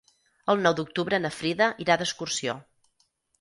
El nou d'octubre na Frida irà d'excursió.